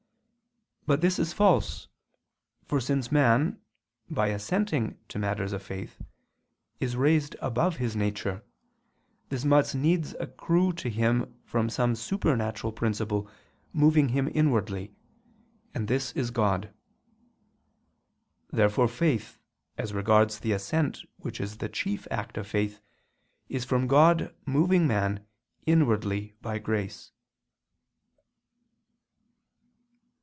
But this is false, for, since man, by assenting to matters of faith, is raised above his nature, this must needs accrue to him from some supernatural principle moving him inwardly; and this is God. Therefore faith, as regards the assent which is the chief act of faith, is from God moving man inwardly by grace.